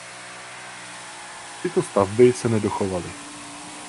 Tyto stavby se nedochovaly.